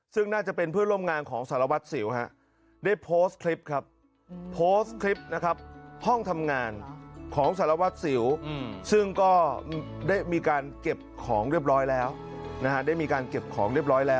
เขาบอกมีตัวอย่างให้ฟัง